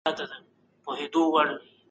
وګړي د قدرت تر ټولو باوري سرچينه ګڼل کېږي.